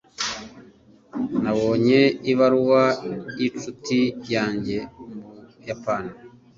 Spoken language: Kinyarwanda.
Nabonye ibaruwa yincuti yanjye mu Buyapani.